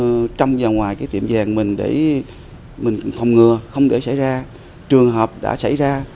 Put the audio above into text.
thứ nhất là phải có lực lượng bảo vệ ở trong và ngoài tiệm vàng mình để mình không ngừa không để xảy ra trường hợp đã xảy ra